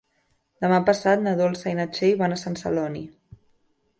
Demà passat na Dolça i na Txell van a Sant Celoni.